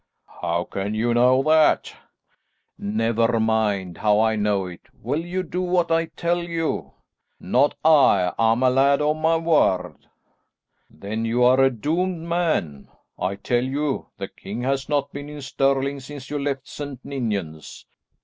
"How can you know that?" "Never mind how I know it. Will you do what I tell you?" "Not I! I'm a lad o' my word." "Then you are a doomed man. I tell you the king has not been in Stirling since you left St. Ninians."